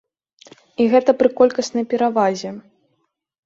І гэта пры колькаснай перавазе.